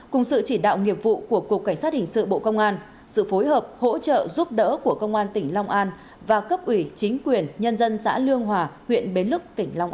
cùng sự chỉ đạo nghiệp vụ của cục cảnh sát hình sự bộ công an sự phối hợp hỗ trợ giúp đỡ của công an tỉnh long an và cấp ủy chính quyền nhân dân xã lương hòa huyện bến lức tỉnh long an